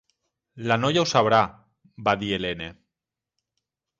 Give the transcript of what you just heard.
"La noia ho sabrà", va dir Helene.